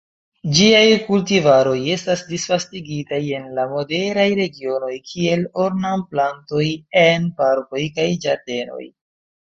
Ĝiaj kultivaroj estas disvastigitaj en la moderaj regionoj kiel ornamplantoj en parkoj kaj ĝardenoj.